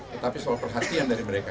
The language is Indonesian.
tetapi soal perhatian dari mereka